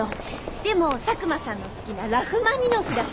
でも佐久間さんの好きなラフマニノフだし。